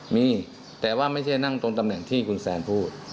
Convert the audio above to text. มีแต่ว่าไม่ใช่นั่งตรงตำแหน่งที่คุณแซนพูด